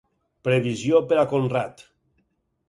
previsió per a Conrad